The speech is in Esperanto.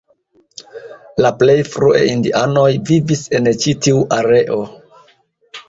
La plej frue indianoj vivis en ĉi tiu areo.